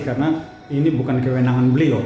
karena ini bukan kewenangan beliau